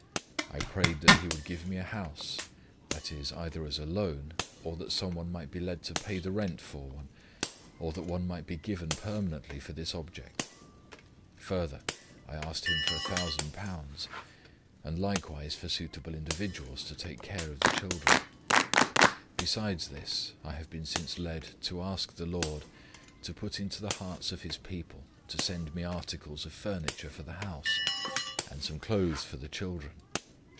I prayed that He would give me a house, i. e., either as a loan, or that someone might be led to pay the rent for one, or that one might be given permanently for this object; further, I asked Him for £1000; and likewise for suitable individuals to take care of the children. Besides this, I have been since led to ask the Lord, to put into the hearts of His people to send me articles of furniture for the house, and some clothes for the children.